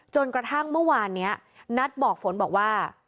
จนกระทั่งเมื่อวานนี้นัทบอกฝนบอกว่า